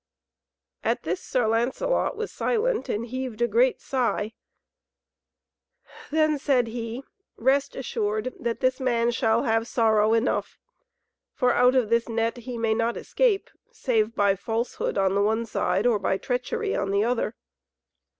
At this Sir Lancelot was silent, and heaved a great sigh. Then said he: "Rest assured that this man shall have sorrow enough. For out of this net he may not escape, save by falsehood on the one side, or by treachery on the other.